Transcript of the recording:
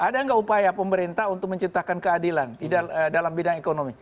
ada nggak upaya pemerintah untuk menciptakan keadilan dalam bidang ekonomi